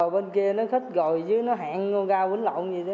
bên kia nó khích gồi chứ nó hẹn gao vĩnh lộn gì đó